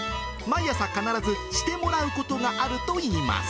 毎朝、必ずしてもらうことがあるといいます。